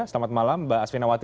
selamat malam mbak asvinawati